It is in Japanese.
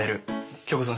京子さん